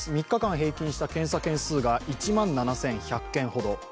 ３日間平均した検査件数が１万７１００件ほど。